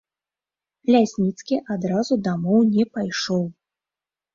Лясніцкі адразу дамоў не пайшоў.